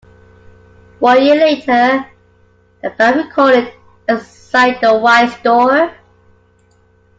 One year later the band recorded "Inside the Why Store".